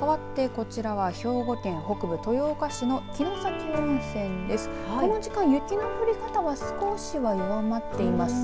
この時間、雪の降り方は弱まっていますね。